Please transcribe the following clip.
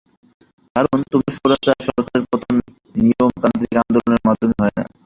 কারণ, কোনো স্বৈরাচার সরকারের পতন নিয়মতান্ত্রিক আন্দোলনের মাধ্যমে হয় না।